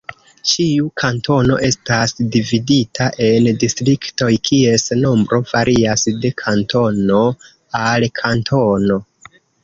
Ĉiu kantono estas dividita en distriktoj kies nombro varias de kantono al kantono.